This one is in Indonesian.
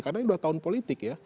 karena ini sudah tahun politik ya